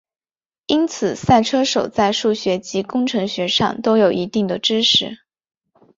因此赛车手在数学及工程学上都有一定的知识。